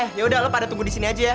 eh ya udah lo pada tunggu disini aja ya